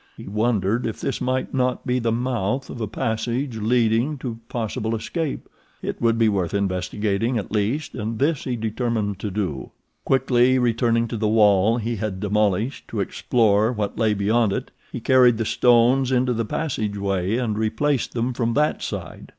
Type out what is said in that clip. He wondered if this might not be the mouth of a passage leading to possible escape. It would be worth investigating, at least, and this he determined to do. Quickly returning to the wall he had demolished to explore what lay beyond it, he carried the stones into the passageway and replaced them from that side.